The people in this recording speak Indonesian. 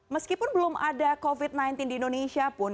meskipun belum ada covid sembilan belas di indonesia pun